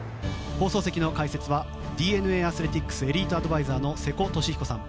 放送席の解説はＤｅＮＡアスレティックエリートアドバイザー瀬古利彦さん。